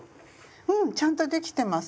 うん！ちゃんとできてます。